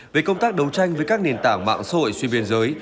về công tác đấu tranh với các nền tảng mạng sội xuyên biên giới